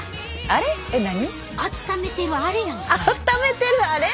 あっためてるあれ？